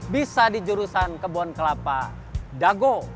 bisa di jurusan kebon kelapa dago